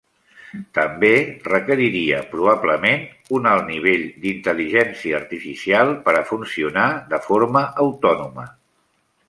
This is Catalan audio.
També requeriria probablement un alt nivell d'intel·ligència artificial per a funcionar de forma autònoma.